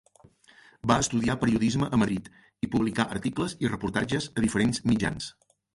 Va estudiar periodisme a Madrid, i publicà articles i reportatges a diferents mitjans.